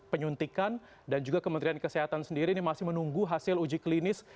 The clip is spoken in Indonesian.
penyuntikan dan juga kementerian kesehatan sendiri ini masih menunggu hasil uji klinis